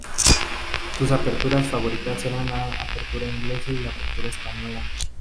Sus aperturas favoritas eran la Apertura inglesa y la Apertura española.